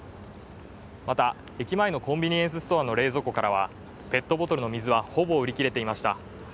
また駅前のコンビニエンスストアの冷蔵庫からはペットボトルの水はほぼ売り切れていました。